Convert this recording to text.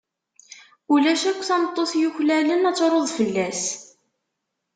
Ulac akk tameṭṭut yuklalen ad truḍ fell-as.